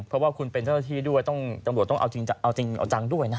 เพราะว่าคุณเป็นเจ้าหน้าที่ด้วยต้องตำรวจต้องเอาจริงเอาจังด้วยนะ